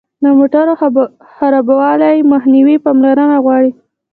د موټر خرابوالي مخنیوی پاملرنه غواړي.